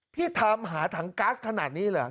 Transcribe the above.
พี่ถามหาถังก๊าซขนาดนี้เหรอ